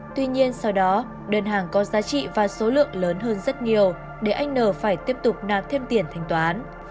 tuy nhiên sau đó đơn hàng có giá trị và số lượng lớn hơn rất nhiều để anh n phải tiếp tục nạp thêm tiền thanh toán